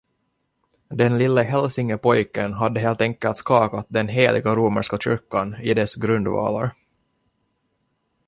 Den lille hälsingepojken hade helt enkelt skakat den heliga romerska kyrkan i dess grundvalar.